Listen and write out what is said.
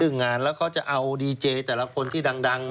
คืองานแล้วเขาจะเอาดีเจแต่ละคนที่ดังมาใช่ไหม